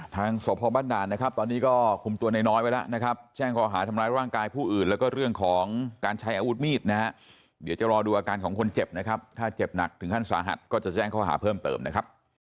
ทางสพบ้านด่านนะครับตอนนี้ก็คุมตัวน้อยไว้แล้วนะครับแจ้งข้อหาทำร้ายร่างกายผู้อื่นแล้วก็เรื่องของการใช้อาวุธมีดนะฮะเดี๋ยวจะรอดูอาการของคนเจ็บนะครับถ้าเจ็บหนักถึงขั้นสาหัสก็จะแจ้งข้อหาเพิ่มเติมนะครับ